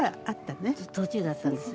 途中だったんですよ。